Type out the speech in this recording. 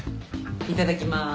いただきます。